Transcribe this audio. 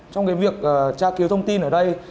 trong cái việc tra cứu thông tin ở đây